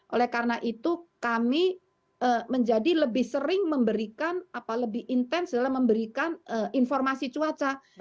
oleh karena itu kami menjadi lebih sering memberikan lebih intens dalam memberikan informasi cuaca